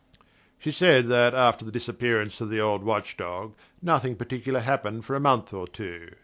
She said that after the disappearance of the old watch dog nothing particular happened for a month or two.